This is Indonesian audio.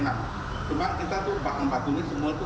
kalau nggak ada kebelai camut atau tepung terigu